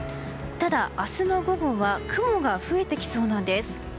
ただ、明日の午後は雲が増えてきそうなんです。